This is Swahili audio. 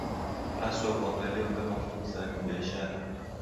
aswa kuangaliwa kama fulsa ya kibiashara